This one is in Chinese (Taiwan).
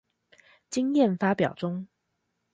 經驗發表中